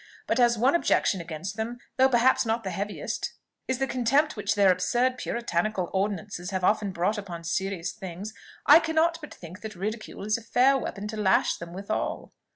But as one objection against them, though perhaps not the heaviest, is the contempt which their absurd puritanical ordinances have often brought upon serious things, I cannot but think that ridicule is a fair weapon to lash them withal."